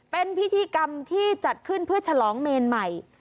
เป็นพิธีกรรมที่จัดขึ้นเพื่อฉลองเมนใหม่